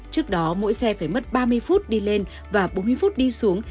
trước đó mỗi xe phải mất ba mươi phút đi lên và bốn mươi phút đi xuống